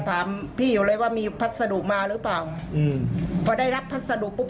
ถามพี่อยู่เลยว่ามีพัสดุมาหรือเปล่าอืมพอได้รับพัสดุปุ๊บ